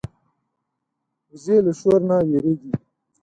وزې له شور نه وېرېږي